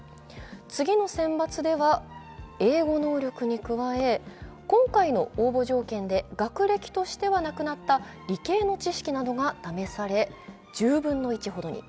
次の選抜では英語能力に加え、今回の応募条件で学歴としてはなくなった理系の知識などが試され１０分の１ほどに。